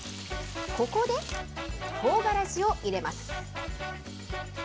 ここで、とうがらしを入れます。